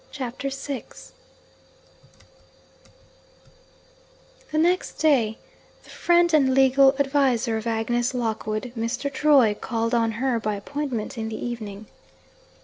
CHAPTER VI The next day, the friend and legal adviser of Agnes Lockwood, Mr. Troy, called on her by appointment in the evening.